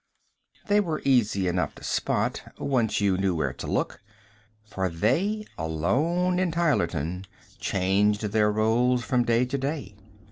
They were easy enough to spot, once you knew where to look for they, alone in Tylerton, changed their roles from day to day.